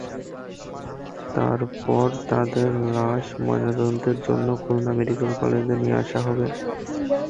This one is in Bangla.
তারপর তাঁদের লাশ ময়নাতদন্তের জন্য খুলনা মেডিকেল কলেজে নিয়ে আসা হবে।